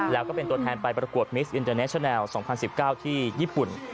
แล้วก็เป็นตัวแทนไปประกวดมิสอินเตอร์เนชแลล์๒๐๑๙ที่ญี่ปุ่น